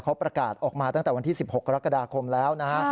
เขาประกาศออกมาตั้งแต่วันที่๑๖กรกฎาคมแล้วนะฮะ